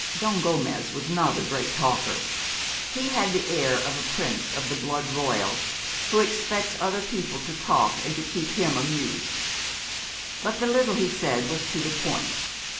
Don Gomez was not a great talker. He had the air of a prince of the blood royal, who expects other people to talk and to keep him amused. But the little he said was to the point.